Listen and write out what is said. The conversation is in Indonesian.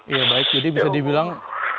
ya baik jadi bisa dibilang